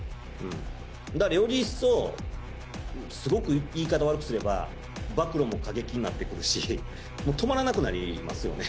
だからより一層、すごく言い方悪くすれば、暴露も過激になってくるし、もう止まらなくなりますよね。